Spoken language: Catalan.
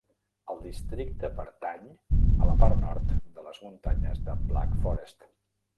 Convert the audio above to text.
El districte pertany a la part nord de les muntanyes de Black Forest.